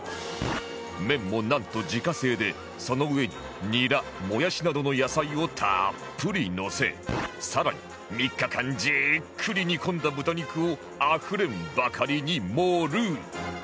麺もなんと自家製でその上ににらもやしなどの野菜をたっぷりのせ更に３日間じっくり煮込んだ豚肉をあふれんばかりに盛る